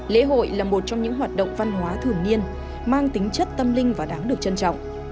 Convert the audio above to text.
lễ hội là một trong những hoạt động văn hóa thường niên mang tính chất tâm linh và đáng được trân trọng